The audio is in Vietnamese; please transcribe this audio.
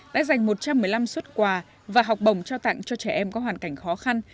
đã dành một trăm một mươi năm xuất quà và học bổng trao tặng cho trẻ em có hoàn cảnh khó khăn